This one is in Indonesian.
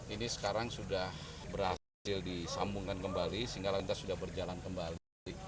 ini sekarang sudah berhasil disambungkan kembali sehingga lalu lintas sudah berjalan kembali